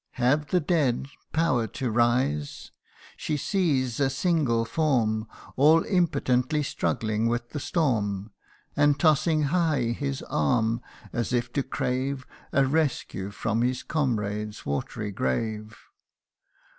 Have the dead Power to rise ? She sees a single form All impotently struggling with the storm, And tossing high his arm, as if to crave A rescue from his comrades' watery grave.